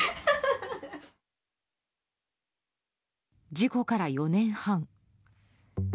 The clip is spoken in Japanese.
事故から４年半。